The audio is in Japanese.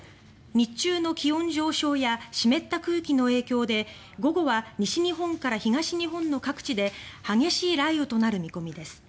日中の気温上昇や湿った空気の影響で午後は西日本から東日本の各地で激しい雷雨となる見込みです。